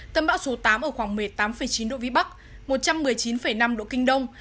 tâm bão số tám ở khoảng một mươi tám chín độ vĩ bắc một trăm một mươi chín năm độ kinh đông